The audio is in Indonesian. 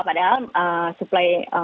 padahal supply minyak buminya